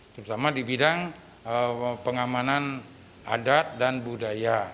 terutama di bidang pengamanan adat dan budaya